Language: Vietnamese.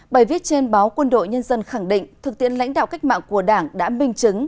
bài viết trên báo quân đội nhân dân khẳng định thực tiễn lãnh đạo cách mạng của đảng đã minh chứng